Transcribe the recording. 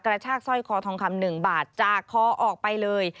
กระชากสร้อยคอทองคำ๑บาทจากคอออกไปเลย